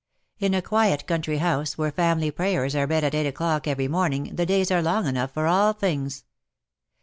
In a qniet country house,, where family prayers are read at eight o^clock every morning, the days are long enough for all things.